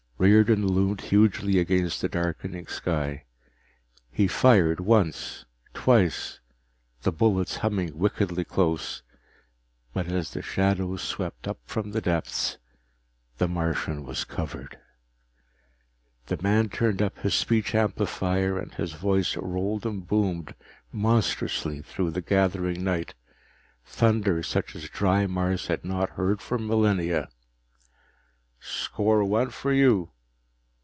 Riordan loomed hugely against the darkening sky. He fired, once, twice, the bullets humming wickedly close, but as shadows swept up from the depths the Martian was covered. The man turned up his speech amplifier and his voice rolled and boomed monstrously through the gathering night, thunder such as dry Mars had not heard for millennia: "Score one for you!